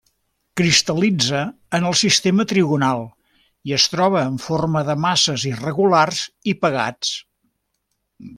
Cristal·litza en el sistema trigonal, i es troba en forma de masses irregulars i pegats.